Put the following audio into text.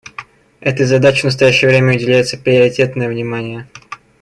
Этой задаче в настоящее время уделяется приоритетное внимание.